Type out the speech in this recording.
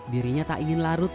dirinya tak ingin larut